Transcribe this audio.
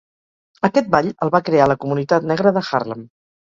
Aquest ball el va crear la comunitat negra de Harlem.